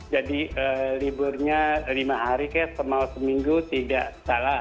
jadi liburnya lima hari ke seminggu tidak salah